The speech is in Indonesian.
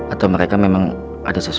atau mereka memang ada sesuatu